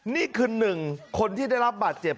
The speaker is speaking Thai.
นี่คือ๑คนที่ได้รับบาดเจ็บ